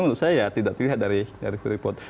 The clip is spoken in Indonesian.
menurut saya ya tidak terlihat dari freeport